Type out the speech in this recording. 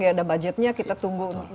budgetnya kita tunggu